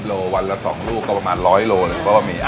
๕๐โลวันละสองลูกก็ประมาณ๑๐๐โลเลย